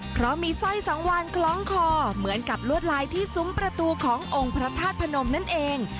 เพราะมีสร้อยสังวานคล้องคอเหมือนกับลวดลายที่ซุ้มประตูขององค์พระธาตุพนมนั่นเอง